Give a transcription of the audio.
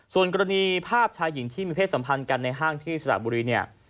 ส่วนกรณีภาพชายหญิงที่มีเพศสัมพันธ์กันในห้างที่สระบุรีเนี่ย